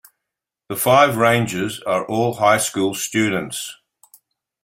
The five rangers are all high school students.